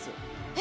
え？